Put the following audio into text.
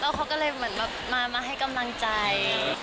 แล้วเค้าก็เลยมึงมาให้กำลังใจ